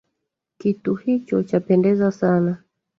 Kitu hicho chapendeza sana